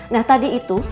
nah tadi itu